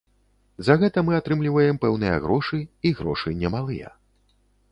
За гэта мы атрымліваем пэўныя грошы, і грошы немалыя.